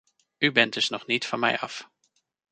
U bent dus nog niet van mij af.